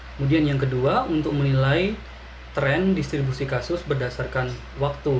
kemudian yang kedua untuk menilai tren distribusi kasus berdasarkan waktu